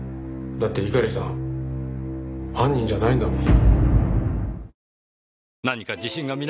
だって猪狩さん犯人じゃないんだもん。